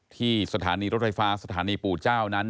ที่สถานีรถไฟฟ้าสถานีปู่เจ้านั้น